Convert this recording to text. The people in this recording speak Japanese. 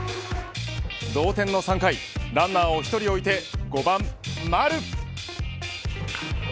同点の３回ランナーを１人置いて５番、丸。